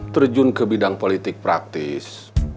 terjun ke bidang politik praktis